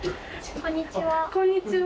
こんにちは。